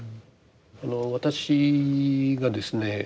私がですね